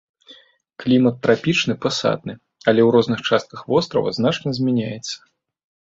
Клімат трапічны пасатны, але ў розных частках вострава значна змяняецца.